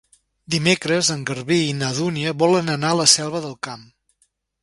Dimecres en Garbí i na Dúnia volen anar a la Selva del Camp.